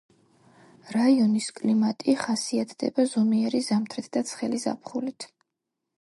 რაიონის კლიმატი ხასიათდება ზომიერი ზამთრით და ცხელი ზაფხულით.